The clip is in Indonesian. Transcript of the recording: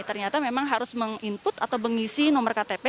ternyata memang harus meng input atau mengisi nomor ktp